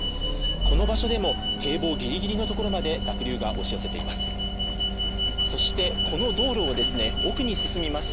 この場所でも堤防ぎりぎりの所まで濁流が押し寄せています。